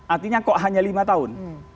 artinya kok hanya lima tahun